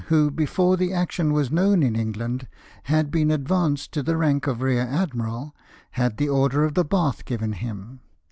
who before the action was known in England had been advanced to the rank of rear admiral, had the Order of the Bath given him.